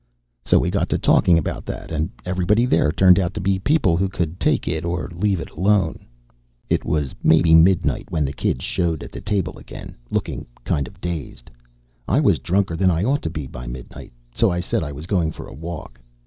So we got to talking about that and everybody there turned out to be people who could take it or leave it alone. It was maybe midnight when the kid showed at the table again, looking kind of dazed. I was drunker than I ought to be by midnight, so I said I was going for a walk.